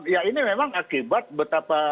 ya ini memang akibat betapa